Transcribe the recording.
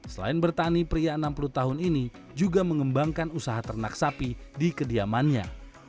selain bertani pria enam puluh tahun ini juga mengembangkan usaha ternak sapi di kediamannya